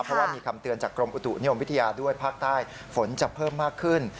เพราะว่ามีคำเตือนจากกรมอุตุนิยมวิทยาด้วยภาคใต้ฝนจะเพิ่มมากขึ้น